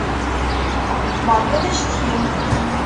Beṛkat acetki.